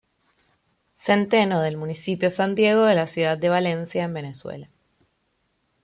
Centeno del Municipio San Diego de la ciudad de Valencia en Venezuela.